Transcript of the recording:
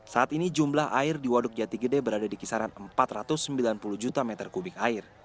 saat ini jumlah air di waduk jati gede berada di kisaran empat ratus sembilan puluh juta meter kubik air